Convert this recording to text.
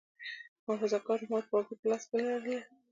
محافظه کار حکومت واګې په لاس کې لرلې.